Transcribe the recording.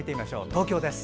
東京です。